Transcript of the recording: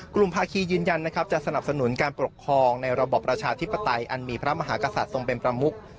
ภาคียืนยันนะครับจะสนับสนุนการปกครองในระบอบประชาธิปไตยอันมีพระมหากษัตริย์ทรงเป็นประมุก